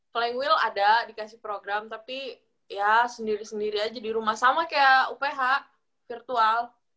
playwill ada dikasih program tapi ya sendiri sendiri aja di rumah sama kayak uph virtual